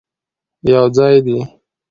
یوځای دې،